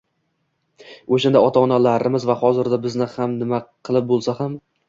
O‘shanda ota-onalarimizni va hozirda bizni ham nima qilib bo‘lsa ham